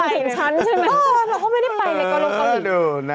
เขาไม่ได้ไปในกระโลก์ของคุณ